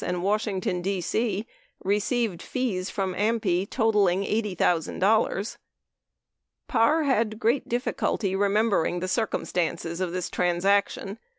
and Washington, D.C. re ceived fees from AMPI totalling $80,000. Parr had great difficulty in remembering the circumstances of this transaction.